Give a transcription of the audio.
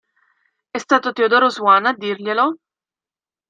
È stato Teodoro Swan a dirglielo?